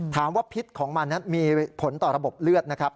พิษของมันนั้นมีผลต่อระบบเลือดนะครับ